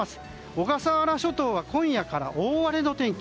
小笠原諸島は今夜から大荒れの天気。